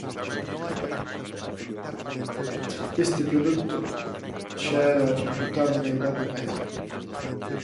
Este produto xa era reputado na Idade Media.